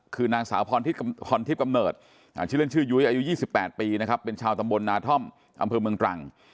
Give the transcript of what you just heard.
คือนางสาวพรทิพย์กำเนิดชื่อเล่นชื่อยุ้ยอายุ๒๘ปีนะครับเป็นชาวตำบลนาท่อมอำเภอเมืองตรัง